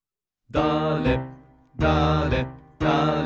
だれだれだれ